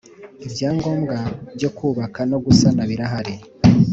Ibyangombwa byo kubaka no gusana birahari.